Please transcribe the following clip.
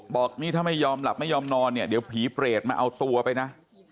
บอกนี่ถ้าไม่ยอมหลับไม่ยอมนอนเนี่ยเดี๋ยวผีเปรตมาเอาตัวไปนะ